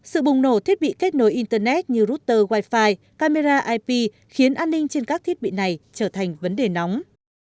sự bùng nổ thiết bị kết nối internet như router wifi camera ip khiến an ninh trên các thiết bị này trở thành vấn đề nóng